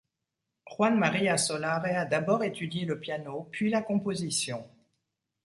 Juan Maria Solare a d’abord étudié le piano puis la composition.